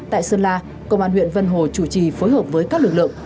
tại sơn la công an huyện vân hồ chủ trì phối hợp với các lực lượng